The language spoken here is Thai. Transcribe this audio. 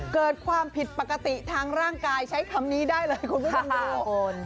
เกิดความผิดปกติทางร่างกายใช้คำนี้ได้เลยคุณผู้ชมดู